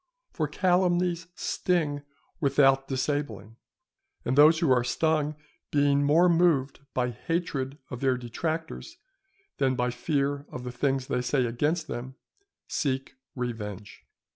For calumnies sting without disabling; and those who are stung being more moved by hatred of their detractors than by fear of the things they say against them, seek revenge.